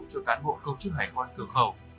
cho cán bộ công chức hải quan cường khẩu